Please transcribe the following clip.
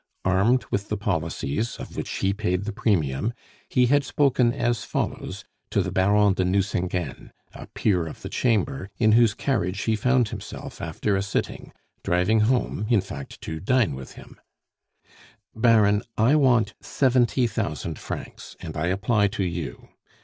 Armed with the policies, of which he paid the premium, he had spoken as follows to the Baron de Nucingen, a peer of the Chamber, in whose carriage he found himself after a sitting, driving home, in fact, to dine with him: "Baron, I want seventy thousand francs, and I apply to you.